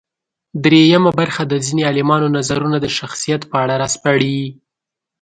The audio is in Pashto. درېیمه برخه د ځينې عالمانو نظرونه د شخصیت په اړه راسپړي.